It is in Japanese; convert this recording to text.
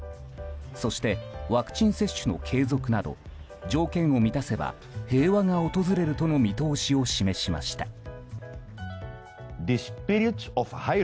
そして、ワクチン接種の継続など条件を満たせば平和が訪れるとの見通しを示しました。